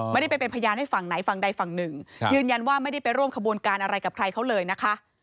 ไม่ได้ไปเป็นพยานให้ฝั่งไหนฝั่งใดฝั่งหนึ่งยืนยันว่าไม่ได้ไปร่วมขบวนการอะไรกับใครเขาเลยนะคะ